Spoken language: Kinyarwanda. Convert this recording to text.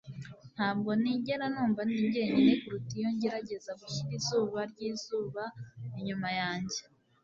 Ntabwo nigera numva ndi jyenyine kuruta iyo ngerageza gushyira izuba ryizuba inyuma yanjye.